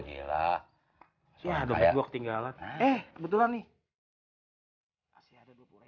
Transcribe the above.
ya gue tinggal eh betul nih